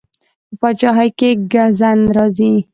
په پادشاهۍ ګزند راځي.